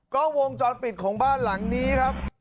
ก็วงจรปิดของบ้านหลังนี้ครับ